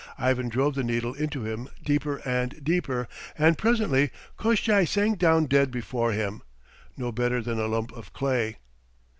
Ivan drove the needle into him deeper and deeper, and presently Koshchei sank down dead before him, no better than a lump of clay.